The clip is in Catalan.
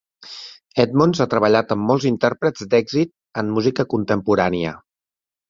Edmonds ha treballat amb molts intèrprets d'èxit en música contemporània.